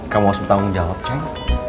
kamu langsung bertanggung jawab ceng